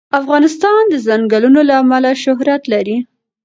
افغانستان د ځنګلونه له امله شهرت لري.